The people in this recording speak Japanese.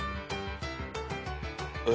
え！？